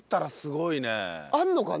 あるのかな？